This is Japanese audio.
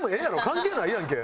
関係ないやんけ。